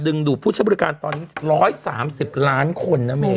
ดูดผู้ใช้บริการตอนนี้๑๓๐ล้านคนนะเมย